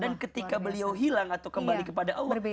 dan ketika beliau hilang atau kembali kepada allah